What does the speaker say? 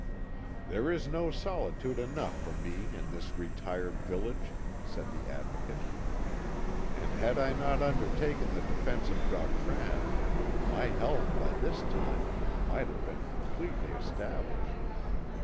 "There is solitude enough for me in this retired village," said the Advocate, "and had I not undertaken the defence of Gautran, my health by this time might have been completely established.